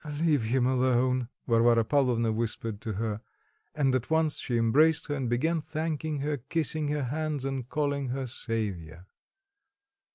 "Leave him alone," Varvara Pavlovna whispered to her. And at once she embraced her, and began thanking her, kissing her hands and calling her saviour.